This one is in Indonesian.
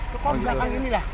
kekom belakang ini lah